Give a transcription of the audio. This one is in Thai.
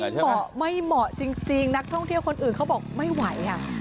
มันเหมาะไม่เหมาะจริงนักท่องเที่ยวคนอื่นเขาบอกไม่ไหว